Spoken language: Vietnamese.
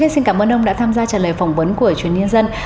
xin cảm ơn ông đã tham gia trả lời phỏng vấn của truyền nhân dân